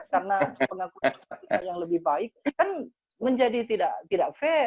karena pengakuan kita yang lebih baik kan menjadi tidak fair